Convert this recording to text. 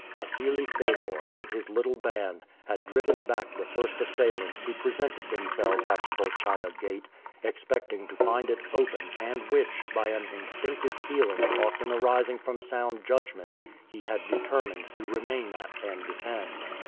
Wassili Fedor, with his little band, had driven back the first assailants who presented themselves at the Bolchaia Gate, expecting to find it open and which, by an instinctive feeling, often arising from sound judgment, he had determined to remain at and defend.